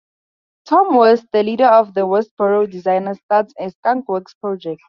Tom West, the leader of the Westborough designers, starts a skunkworks project.